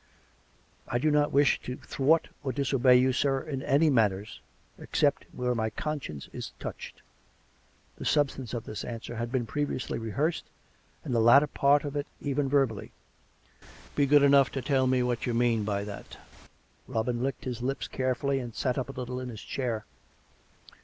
''"" I do not wish to thwart or disobey you, sir, in any matters except where my conscience is touched." (The substance of this answer had been previously rehearsed, and the latter part of it even verbally.) " Be good enough to tell me what you mean by that." Robin licked his lips carefully and sat up a little in his chair.